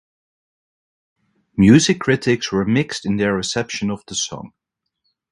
Music critics were mixed in their reception of the song.